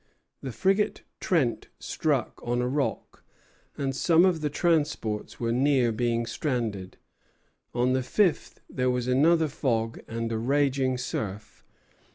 The frigate "Trent" struck on a rock, and some of the transports were near being stranded. On the fifth there was another fog and a raging surf.